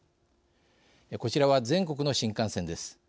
こちらは全国の新幹線です。